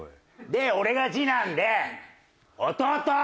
で俺が次男で弟。